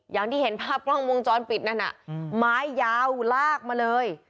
อย่างที่เห็นภาพกล้องวงจรปิดนั่นน่ะไม้ยาวลากมาเลย